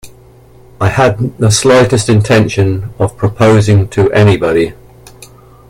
I hadn't the slightest intention of proposing to anybody.